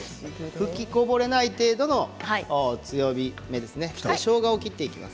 吹きこぼれないぐらいの強火です。